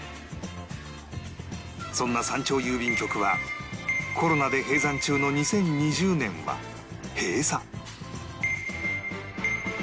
そんな山頂郵便局はコロナで閉山中の２０２０年は閉鎖